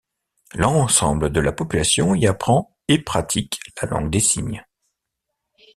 L'ensemble de la population y apprend et pratique la langue des signes.